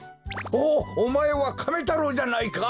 おおまえはカメ太郎じゃないか！